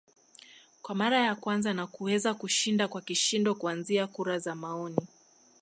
kwa mara ya kwanza na kuweza kushinda kwa kishindo kuanzia kura za maoni